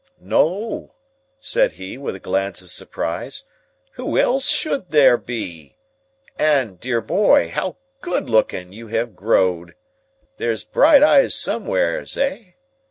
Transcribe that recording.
"No," said he, with a glance of surprise: "who else should there be? And, dear boy, how good looking you have growed! There's bright eyes somewheres—eh?